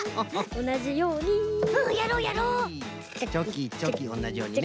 おんなじようにね。